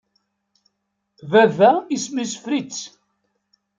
Baba, isem-is Fritz.